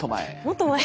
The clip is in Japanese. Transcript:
もっと前。